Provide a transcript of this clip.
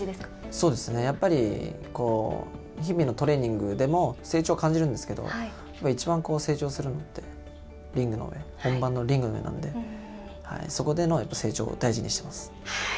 そうですね、やっぱりこう、日々のトレーニングでも成長を感じるんですけど、一番成長するのってリングの上、本番のリングの上なんで、そこでのやっぱり成長を大事にしてます。